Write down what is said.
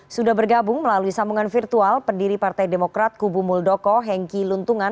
sudah bergabung melalui sambungan virtual pendiri partai demokrat kubu muldoko hengki luntungan